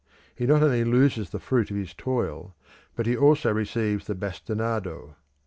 He not only loses the fruit of his toil, but he also receives the bastinado.